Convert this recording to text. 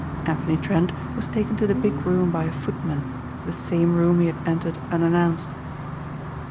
Anthony Trent was taken to the big room by a footman, the same room he had entered unannounced.